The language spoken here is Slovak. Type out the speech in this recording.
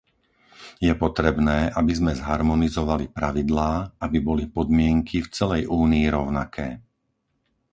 Je potrebné, aby sme zharmonizovali pravidlá, aby boli podmienky v celej Únii rovnaké.